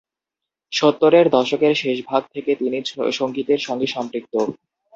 সত্তরের দশকের শেষভাগ থেকে তিনি সঙ্গীতের সঙ্গে সম্পৃক্ত।